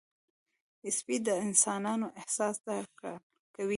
سپي د انسانانو احساس درک کوي.